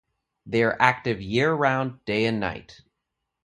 They are active year-round, day and night.